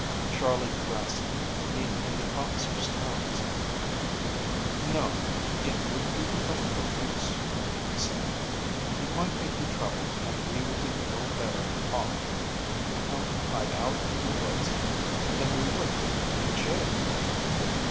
Charley grasped the meaning in the officer's tones. "No, it would be of no use," he said. "It might make you trouble and we would be no better off, compelled to hide out in the woods, than we would be in jail."